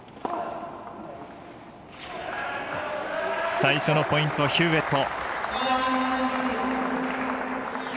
最初のポイント、ヒューウェット。